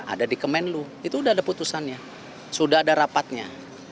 ada di kemenlu itu sudah ada putusannya sudah ada rapatnya